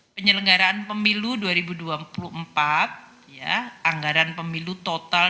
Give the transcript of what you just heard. penyelenggaraan pemilu dua ribu dua puluh empat ya anggaran pemilu total